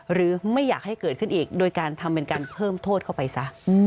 หรือไม่อยากให้เกิดขึ้นอีกโดยการทำเป็นการเพิ่มโทษเข้าไปซะ